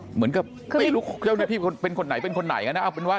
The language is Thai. เหมือนกับไม่รู้เจ้าหน้าพี่เป็นคนไหนเป็นคนไหน